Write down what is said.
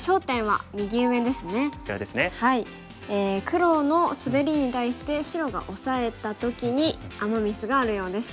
黒のスベリに対して白が押さえた時にアマ・ミスがあるようです。